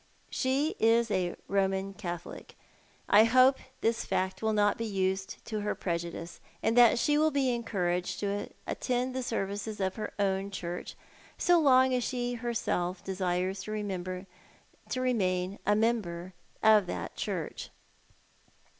She is a Roman Catholic. I hope this fact will not 1)6 used to her prejudice, and that she will be encouraged to attend the services of her own church, so long as she herself desires to remain a member of that church.